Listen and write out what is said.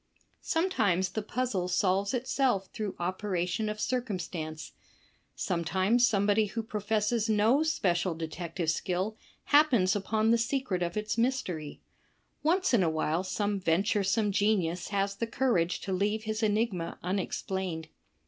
Sometimes the p uzzle solves itsel f through operation of circumstance; sometimes somebody who pro fesses noT special detective skill happens upon the secret of its mystery; once in a while some venturesome genius has the courage to leave his enigma imexplained.